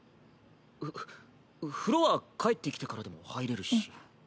ふ風呂は帰って来てからでも入れるし。